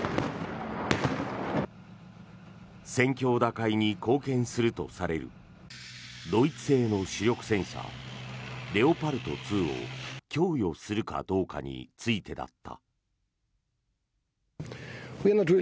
戦況打開に貢献するとされるドイツ製の主力戦車レオパルト２を供与するかどうかについてだった。